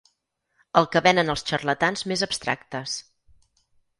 El que venen els xarlatans més abstractes.